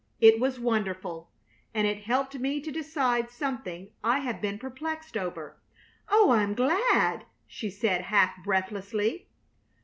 It was wonderful, and it helped me to decide something I have been perplexed over " "Oh, I am glad!" she said, half breathlessly.